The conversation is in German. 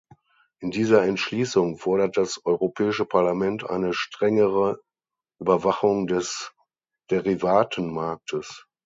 In dieser Entschließung fordert das Europäische Parlament eine strengere Überwachung des Derivatemarktes.